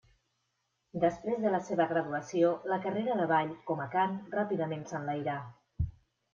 Després de la seva graduació, la carrera de Ball com a cant ràpidament s'enlairà.